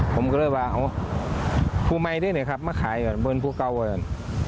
ผมก็เร็วว่าพูดไหมด้วยเนี่ยครับมาขายกันโดนพูดก้าวกัน